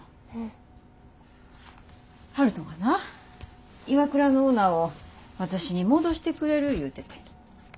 悠人がなＩＷＡＫＵＲＡのオーナーを私に戻してくれる言うてて。